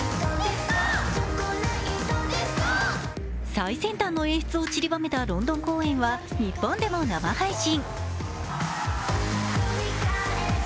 最先端の演出をちりばめたロンドン公演は日本でも生配信。